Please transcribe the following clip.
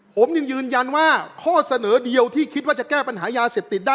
ผมยังยืนยันว่าข้อเสนอเดียวที่คิดว่าจะแก้ปัญหายาเสพติดได้